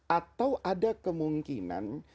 atau ada kemungkinan